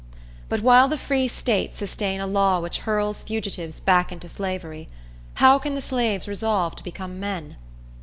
But while the Free States sustain a law which hurls fugitives back into slavery, how can the slaves resolve to become men?